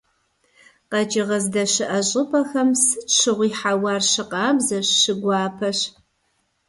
КъэкӀыгъэ здэщыӀэ щӀыпӀэхэм сыт щыгъуи хьэуар щыкъабзэщ, щыгуапэщ.